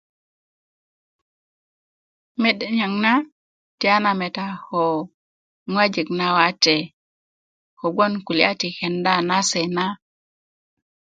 Mede niyaŋ na tiyanana meta ko ŋojik na wate kogboŋ kulya ti kenda na se na